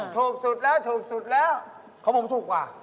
ถูกสุดแล้วสุดแล้ว